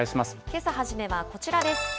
けさ初めはこちらです。